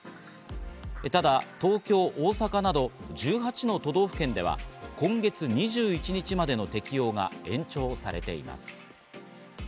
ただ、東京、大阪など１８の都道府県では今月２１日までの適用が延長されています。